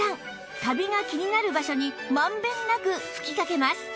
カビが気になる場所にまんべんなく吹きかけます